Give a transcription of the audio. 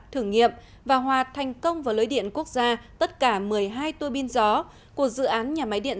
thử nghiệm và hòa thành công vào lưới điện quốc gia tất cả một mươi hai tuôi bin gió của dự án nhà máy điện